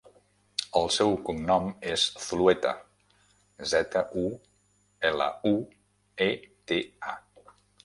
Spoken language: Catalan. El seu cognom és Zulueta: zeta, u, ela, u, e, te, a.